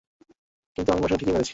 কিন্ত আমি মশাটা ঠিকই মেরেছি।